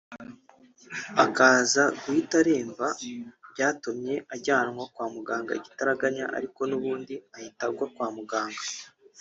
akaza guhita aremba byatumye ajyanwa kwa muganga igitaraganya ariko n’ubundi ahita agwa kwa muganga